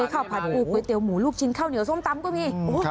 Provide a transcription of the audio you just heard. ข้าวผัดปูก๋วยเตี๋หมูลูกชิ้นข้าวเหนียวส้มตำก็มี